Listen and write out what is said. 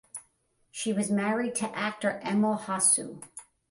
She was married to actor Emil Hossu.